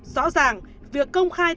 rõ ràng việc công khai